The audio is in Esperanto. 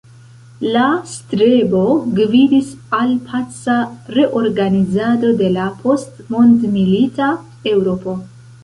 La strebo gvidis al paca reorganizado de la post-mondmilita Eŭropo.